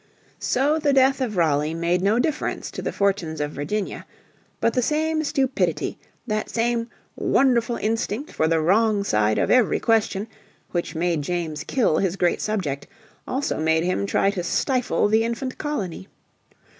So the death of Raleigh made no difference to the fortunes of Virginia. But the same stupidity, that same "wonderful instinct for the wrong side of every question" which made James kill his great subject, also made him try to stifle the infant colony.